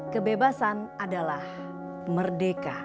kebebasan adalah merdeka